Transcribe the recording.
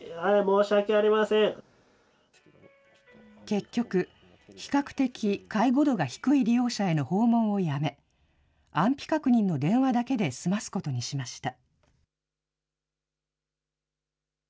結局、比較的介護度が低い利用者への訪問をやめ、安否確認の電話だけで済ますことにしました。